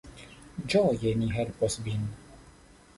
Ĝoje ni helpos vin.